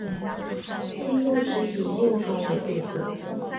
辛部只以右方为部字。